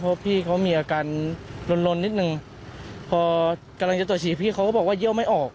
เพราะพี่เขามีอาการลนนิดนึงพอกำลังจะตรวจฉี่พี่เขาก็บอกว่าเยี่ยวไม่ออก